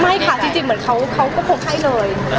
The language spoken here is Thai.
ไม่ค่ะจริงเหมือนเขาก็พกให้เลย